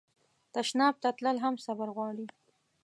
تشناب ته تلل هم صبر غواړي.